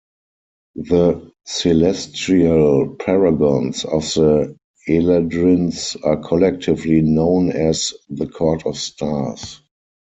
The celestial paragons of the eladrins are collectively known as The Court of Stars.